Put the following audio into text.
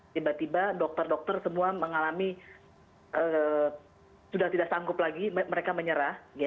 tiba tiba dokter dokter semua mengalami sudah tidak sanggup lagi mereka menyerah